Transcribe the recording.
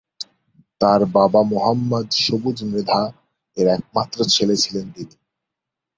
তার বাবা মোহাম্মদ সবুজ মৃধা এর একমাত্র ছেলে ছিলেন তিনি।